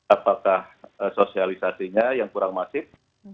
apakah sosialisasinya yang kurang masif